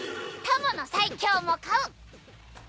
タモの最強も買う！